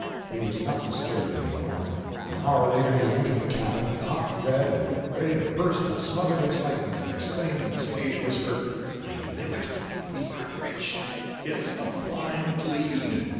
He was not disturbed any more. An hour later he entered the cabin, hot, red, and ready to burst with smothered excitement, and exclaimed in a stage whisper: "I knew it! We are rich! IT'S A BLIND LEAD!"